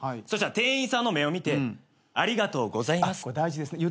そしたら店員さんの目を見て「ありがとうございます」これ大事です。